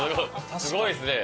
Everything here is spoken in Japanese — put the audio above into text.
すごいですね。